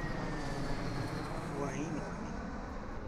Wa i nekkni.